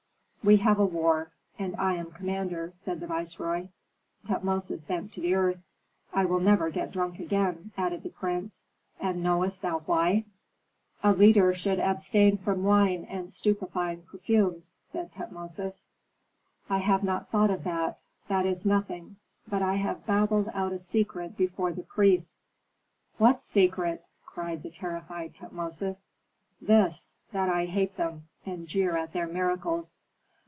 "We have a war, and I am commander," said the viceroy. Tutmosis bent to the earth. "I will never get drunk again," added the prince. "And knowest thou why?" "A leader should abstain from wine and stupefying perfumes," said Tutmosis. "I have not thought of that, that is nothing; but I have babbled out a secret before the priests." "What secret?" cried the terrified Tutmosis. "This, that I hate them, and jeer at their miracles."